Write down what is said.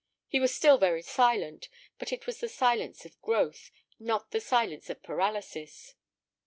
He was still very silent, but it was the silence of growth, not the silence of paralysis.